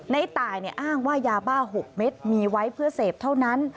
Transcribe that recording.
ในตายอ้างว่ายาบ้า๖เม็ดมีไว้เพื่อเสพเท่านั้น